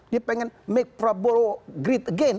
dia pengen make prabowo great again